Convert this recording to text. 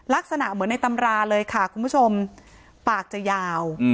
ลักษณะเหมือนในตำราเลยค่ะคุณผู้ชมปากจะยาว